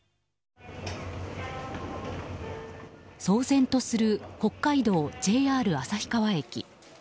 騒然とする北海道ＪＲ旭川駅。